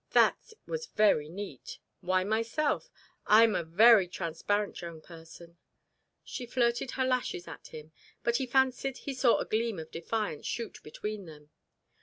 "That was very neat. Why myself? I am a very transparent young person." She flirted her lashes at him, but he fancied he saw a gleam of defiance shoot between them.